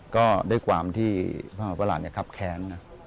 ก็ด้วยความที่พระมหาวุประหลาดคับแค้น